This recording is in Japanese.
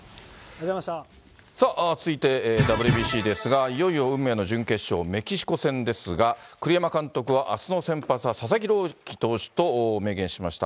さあ、続いてＷＢＣですが、いよいよ運命の準決勝、メキシコ戦ですが、栗山監督は、あすの先発は佐々木朗希投手と明言しました。